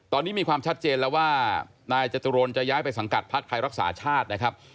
ตอนนี้มีความชัดเจนแล้วว่านายจตุรนจะย้ายไปสังกัดพักไทยรักษาชาตินะครับ